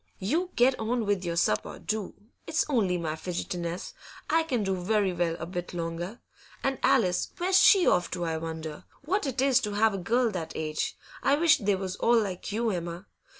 'You get on with your supper, do. It's only my fidgetiness; I can do very well a bit longer. And Alice, where's she off to, I wonder? What it is to have a girl that age! I wish they was all like you, Emma.